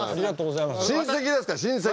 親戚ですから親戚。